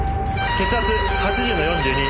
血圧８０の４２。